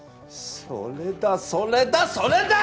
それだそれだそれだ！